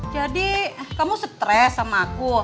jadi kamu stress sama aku